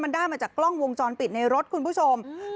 มันได้มาจากกล้องวงจรปิดในรถคุณผู้ชม